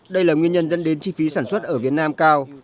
đây là nguyên nhân dẫn đến chi phí sản xuất ở việt nam cao